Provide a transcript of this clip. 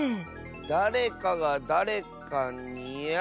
だれかがだれかにあ！